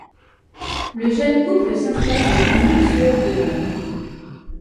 Le jeune couple s’installe dans une luxueuse demeure.